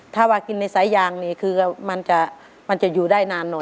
ถ้าว่ากินในสายยางนี่คือมันจะอยู่ได้นานหน่อย